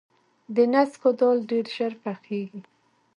د نسکو دال ډیر ژر پخیږي.